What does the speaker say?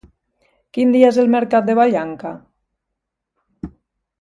Quin dia és el mercat de Vallanca?